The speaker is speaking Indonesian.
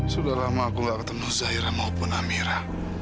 sudah lama aku gak ketemu zaira maupun amira